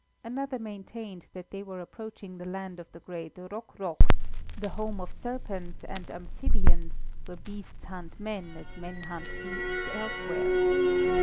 Another maintained that they were approaching the land of the great Rok rok, the home of serpents and amphibians, where beasts hunt men as men hunt beasts elsewhere.